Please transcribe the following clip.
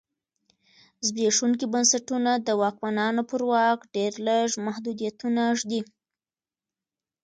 زبېښونکي بنسټونه د واکمنانو پر واک ډېر لږ محدودیتونه ږدي.